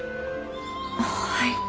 はい。